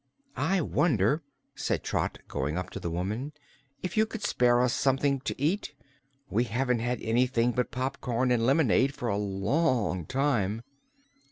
"I wonder," said Trot, going up to the woman, "if you could spare us something to eat. We haven't had anything but popcorn and lemonade for a long time."